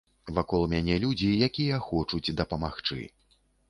Вакол мяне людзі, якія хочуць дапамагчы.